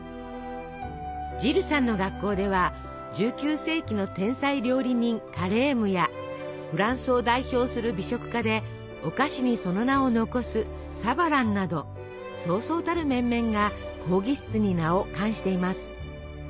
ジルさんの学校では１９世紀の天才料理人カレームやフランスを代表する美食家でお菓子にその名を残すサヴァランなどそうそうたる面々が講義室に名を冠しています。